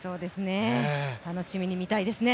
楽しみに見たいですね。